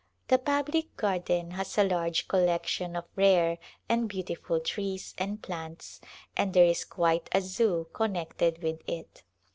The public garden has a large collection of rare and beautiful trees and plants, and there is quite a Zoo connected with it.